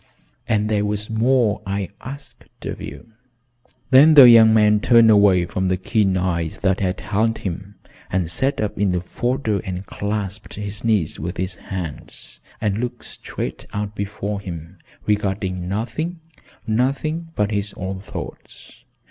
"And there was more I asked of you." Then the young man turned away from the keen eyes that had held him and sat up in the fodder and clasped his knees with his hands and looked straight out before him, regarding nothing nothing but his own thoughts.